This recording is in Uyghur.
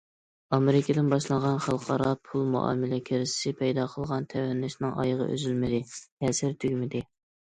ئامېرىكىدىن باشلانغان خەلقئارا پۇل مۇئامىلە كىرىزىسى پەيدا قىلغان تەۋرىنىشنىڭ ئايىغى ئۈزۈلمىدى، تەسىرى تۈگىمىدى.